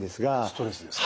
ストレスですね。